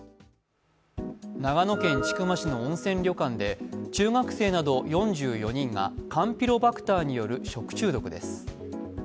長野県千曲市の温泉旅館で中学生など４４人がカンピロバクターによる食中毒です。